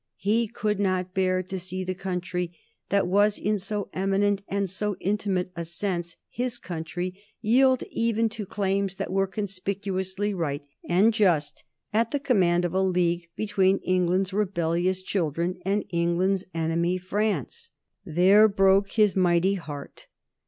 He could not bear to see the country that was in so eminent and so intimate a sense his country yield even to claims that were conspicuously right and just at the command of a league between England's rebellious children and England's enemy, France. There broke his mighty heart.